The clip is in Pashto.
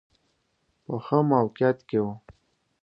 په ښه موقعیت کې و.